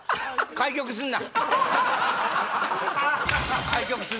開局すんな！